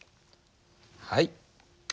はい。